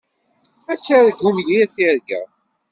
Ad targum yir tirga.